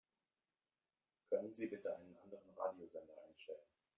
Können Sie bitte einen anderen Radiosender einstellen?